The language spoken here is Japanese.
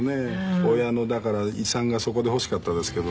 親のだから遺産がそこで欲しかったですけどね。